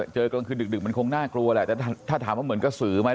กลางคืนดึกมันคงน่ากลัวแหละแต่ถ้าถามว่าเหมือนกระสือไหม